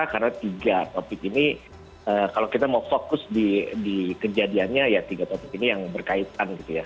karena tiga topik ini kalau kita mau fokus di kejadiannya ya tiga topik ini yang berkaitan gitu ya